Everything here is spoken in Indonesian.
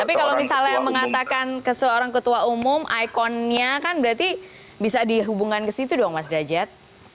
tapi kalau misalnya mengatakan ke seorang ketua umum ikonnya kan berarti bisa dihubungkan ke situ dong mas derajat